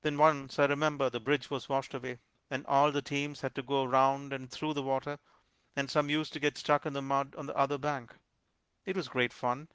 Then once, I remember, the bridge was washed away, and all the teams had to go around and through the water, and some used to get stuck in the mud on the other bank. It was great fun!